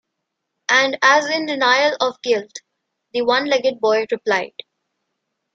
And as in denial of guilt, the one-legged boy replied.